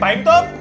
kemari pak imtuk